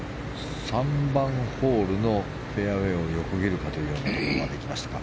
３番ホールのフェアウェーを横切るかというところまで行きましたか。